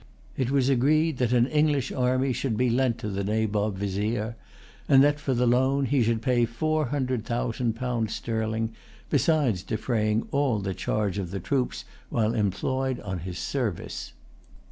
It was agreed that an English army should be lent to the Nabob Vizier, and that, for the loan, he should pay four hundred thousand pounds sterling, besides defraying all the charge of the troops while employed in his service.